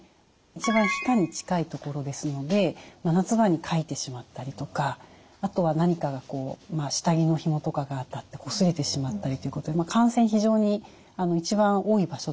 一番皮下に近い所ですので夏場にかいてしまったりとかあとは何かがこう下着のひもとかが当たってこすれてしまったりっていうことで感染非常に一番多い場所だったんですね。